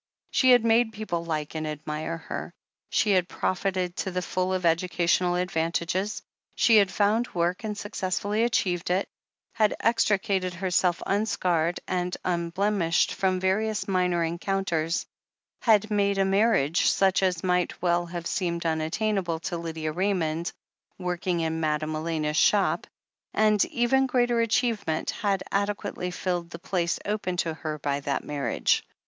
She had made people like and admire her, she had profited to the full of educa tional advantages, she had found work and successfully achieved it, had extricated herself unscarred and un blemished from various minor encounters, had made a marriage such as might well have seemed unattain able to Lydia Raymond, working in Madame Elena's shop, and, even greater achievement, had adequately filled the place open to her by that marriage.